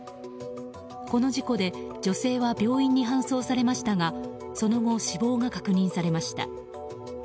この事故で女性は病院に搬送されましたがその後、死亡が確認されました。